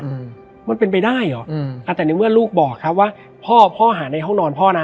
อืมมันเป็นไปได้เหรออืมอ่าแต่ในเมื่อลูกบอกครับว่าพ่อพ่อหาในห้องนอนพ่อนะ